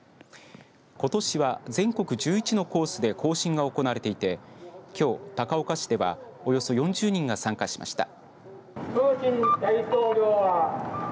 ことしは全国１１のコースで行進が行われていてきょう高岡市ではおよそ４０人が参加しました。